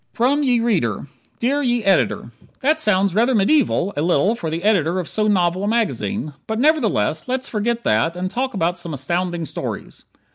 From Ye Reader Dear Ye Ed.: That sounds rather medieval a little for the editor of so novel a magazine, but nevertheless let's forget that and talk about some astounding stories.